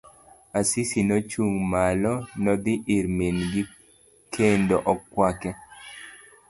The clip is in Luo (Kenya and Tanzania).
Asisi nochung' malo, nodhi ir min gi kendo okwake.